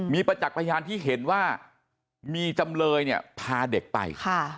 มีประจักษ์พยานที่เห็นว่ามีจำเลยเนี่ยพาเด็กไป